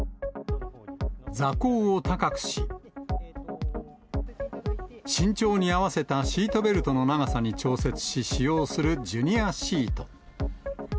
座高を高くし、身長に合わせたシートベルトの長さに調節し、使用するジュニアシート。